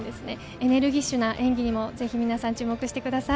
エネルギッシュな演技にも皆さん注目してください。